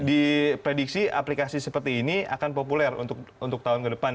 dan diprediksi aplikasi seperti ini akan populer untuk tahun ke depan